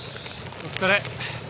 お疲れ。